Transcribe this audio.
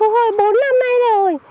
hồi bốn năm nay rồi